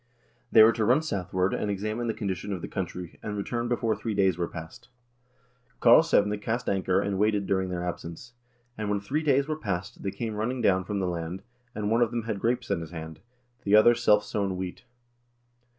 They were to run southward, and examine the condition of the country, and return before three days were past. Karlsevne cast anchor and waited during their absence ;" and when three days were past, they came running down from the land, and one of them had grapes in his hand, the other self sown wheat.